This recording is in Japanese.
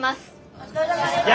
お疲れさまでした。